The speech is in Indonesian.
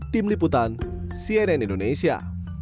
tim liputan cnn indonesia